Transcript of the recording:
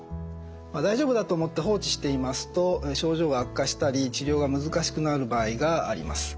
大丈夫だと思って放置していますと症状が悪化したり治療が難しくなる場合があります。